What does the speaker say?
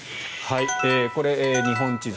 これ、日本地図。